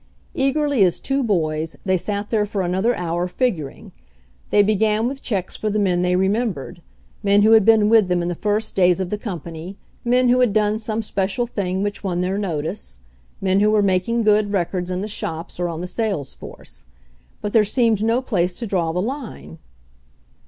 Eagerly as two boys, they sat there for another hour figuring. They began with checks for the men they remembered, men who had been with them in the first days of the company, men who had done some special thingr which won their notice, men who were making good, records in the shops or on the sales force. But there seemed no place to draw the line.